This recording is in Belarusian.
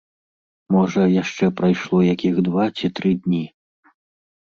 Можа, яшчэ прайшло якіх два ці тры дні.